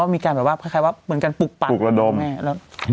มีการแบบว่าเหมือนการปลุกปัน